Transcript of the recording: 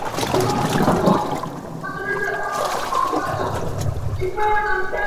物种广泛分布于新热带界。